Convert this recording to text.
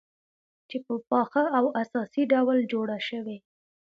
چې په پاخه او اساسي ډول جوړه شوې،